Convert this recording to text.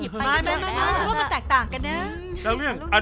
ไม่มีอะไรที่เลือกหรอก